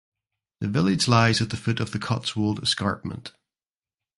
The village lies at the foot of the Cotswold escarpment.